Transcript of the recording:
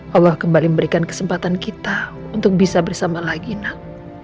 allah kembali memberikan kesempatan kita untuk bisa bersama lagi nak